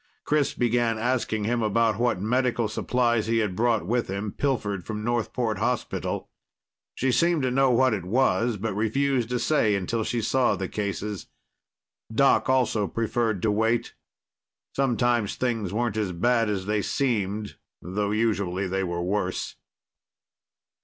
Chris began asking him about what medical supplies he had brought with him, pilfered from Northport hospital. She seemed to know what it was, but refused to say until she saw the cases. Doc also preferred to wait. Sometimes things weren't as bad as they seemed, though usually they were worse.